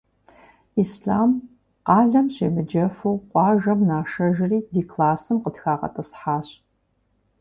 Ислъам къалэм щемыджэфу, къуажэм нашэжри ди классым къытхагъэтӏысхьащ.